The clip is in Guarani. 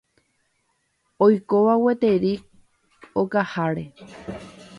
oikóva gueteri okaháre